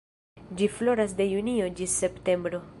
Ĝi floras de junio ĝis septembro.